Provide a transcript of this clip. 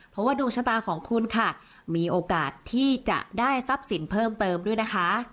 เพราะว่าดวงชะตาของคุณค่ะมีโอกาสที่จะได้ทรัพย์สินเพิ่มเติมด้วยนะคะ